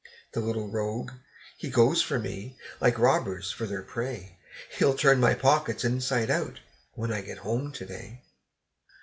The little rogue! he goes for me, like robbers for their prey; He'll turn my pockets inside out, when I get home to day.